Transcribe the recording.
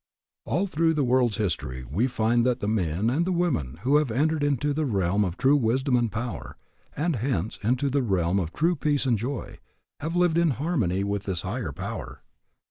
All through the world's history we find that the men and the women who have entered into the realm of true wisdom and power, and hence into the realm of true peace and joy, have lived in harmony with this Higher Power.